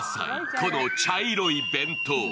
この茶色い弁当。